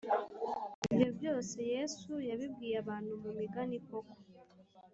Ibyo byose Yesu yabibwiye abantu mu migani Koko